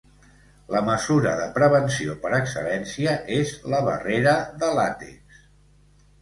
La mesura de prevenció per excel·lència és la barrera de làtex.